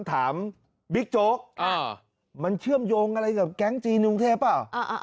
ถามบิ๊กโจ๊กอ่ามันเชื่อมโยงอะไรกับแก๊งจีนอุงเทพป่ะอ่าอ่า